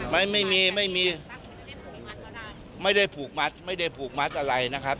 ไม่มีไม่มีไม่ได้ผูกมัดไม่ได้ผูกมัดอะไรนะครับ